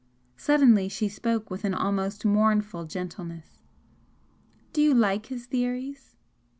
Suddenly she spoke with an almost mournful gentleness. "Do you like his theories?"